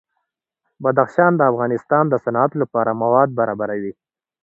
بدخشان د افغانستان د صنعت لپاره مواد برابروي.